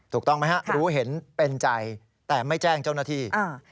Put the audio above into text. ถูกต้องไหมฮะรู้เห็นเป็นใจแต่ไม่แจ้งเจ้าหน้าที่